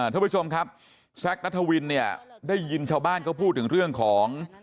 ทุกผู้ชมครับแซคนัทวินเนี่ยได้ยินชาวบ้านเขาพูดถึงเรื่องของ